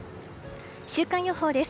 週間予報です。